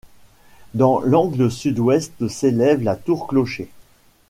Dans l'angle Sud-Ouest s'élève la tour-clocher.